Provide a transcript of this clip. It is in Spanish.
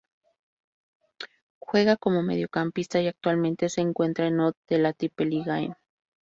Juega como Mediocampista y actualmente se encuentra en Odd de la Tippeligaen.